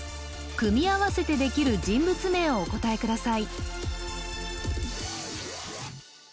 組み合わせてできる人物名をお答えください